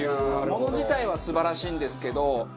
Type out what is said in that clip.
もの自体は素晴らしいんですけど。